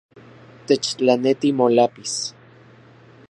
Techtlaneti molápiz